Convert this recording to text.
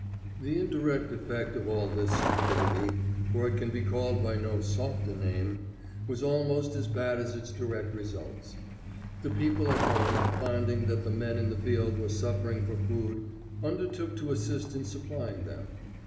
The indirect effect of all this stupidity for it can be called by no softer name was almost as bad as its direct results. The people at home, finding that the men in the field were suffering for food, undertook to assist in supplying them.